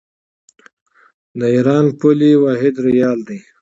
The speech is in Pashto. د ایران پولي واحد ریال دی.